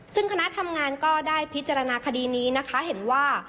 ซึ่งคณะทำงานก็ได้พิจารณาคดีนี้นะคะเห็นว่า